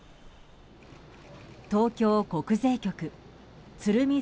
東京国税局鶴見